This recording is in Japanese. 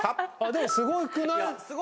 でもすごくない？